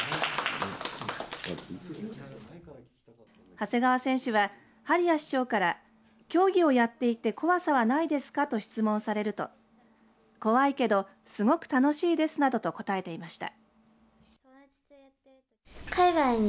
長谷川選手は針谷市長から競技をやっていて怖さはないですかと質問されると怖いけど、すごく楽しいですなどと答えていました。